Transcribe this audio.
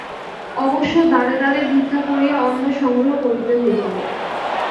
অবশ্য দ্বারে দ্বারে ভিক্ষা করিয়া অন্ন সংগ্রহ করিতে হইত।